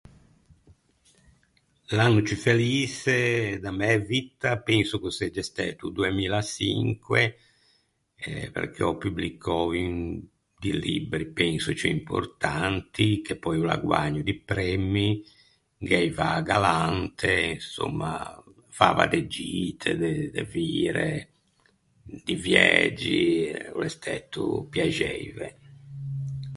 L’anno ciù feliçe da mæ vitta penso ch’o segge stæto o doemillaçinque, perché ò publicou un di libbri penso ciù importanti, che pöi o l’à guägno di premmi. Gh’aiva a galante, insomma, fava de gite, de de vire, di viægi e o l’é stæto piaxeive.